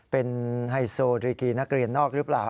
เป็นไฮโซดริกีนักเรียนนอกหรือเปล่า